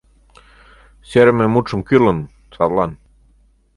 Сӧрымӧ мутшым кӱрлын — садлан».